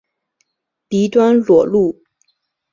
鼻端裸露。